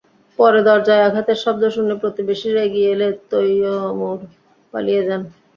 পরে দরজায় আঘাতের শব্দ শুনে প্রতিবেশীরা এগিয়ে এলে তৈয়মুর পালিয়ে যান।